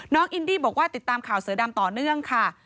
อินดี้บอกว่าติดตามข่าวเสือดำต่อเนื่องค่ะ